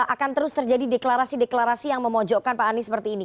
akan terus terjadi deklarasi deklarasi yang memojokkan pak anies seperti ini